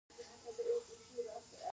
ایا تصمیم مو نیولی دی؟